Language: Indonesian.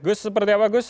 gus seperti apa gus